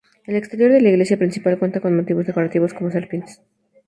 El exterior de la iglesia principal cuenta con motivos decorativos como serpientes.